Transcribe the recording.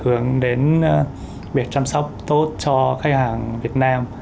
chúng tôi đang định hướng đến việc chăm sóc tốt cho khách hàng việt nam